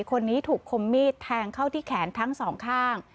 คนนี้ถูกคมมีดแทงเข้าที่แขนทั้งสองข้าง